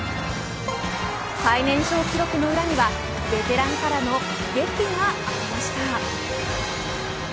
最年少記録の裏にはベテランからのゲキがありました。